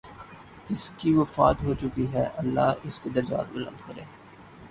اس کی وفات ہو چکی ہے، اللہ اس کے درجات بلند کرے۔